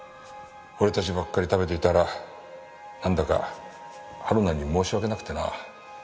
俺たちばっかり食べていたらなんだか春菜に申し訳なくてな。